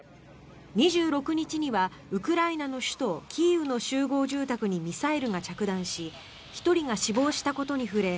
２６日にはウクライナの首都キーウの集合住宅にミサイルが着弾し１人が死亡したことに触れ